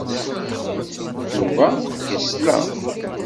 Yuba yesla.